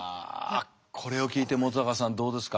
これを聞いて本さんどうですか？